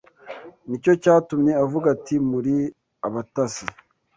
Ni cyo cyatumye avuga ati muri abatasi.